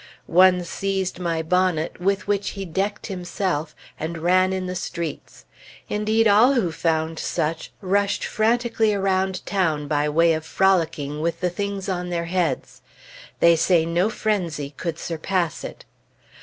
One seized my bonnet, with which he decked himself, and ran in the streets. Indeed, all who found such, rushed frantically around town, by way of frolicking, with the things on their heads. They say no frenzy could surpass it.